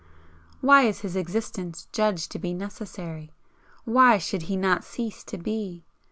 Why is his existence judged to be necessary? Why should he not cease to be?